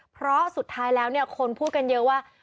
เพราะสุดท้ายแล้วเนี่ยคนพูดกันเยอะว่า